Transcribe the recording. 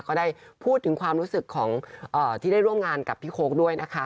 ก็ได้พูดถึงความรู้สึกของที่ได้ร่วมงานกับพี่โค้กด้วยนะคะ